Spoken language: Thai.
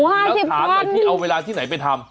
แล้วถามหน่อยพี่เอาเวลาที่ไหนไปทำ